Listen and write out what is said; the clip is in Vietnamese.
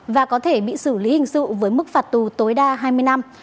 và có thể bị xử lý hình sự với mức phạt tù tối đa hai mươi năm